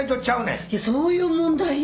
いやそういう問題よ。